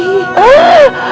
kenapa kau pergi